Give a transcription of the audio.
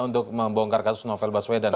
untuk membongkar kasus novel baswedan